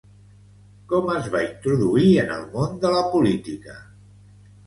Com es va introduir en el món de la política?